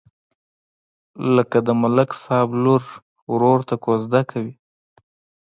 لکه د ملک صاحب لور ورور ته کوزده کوي.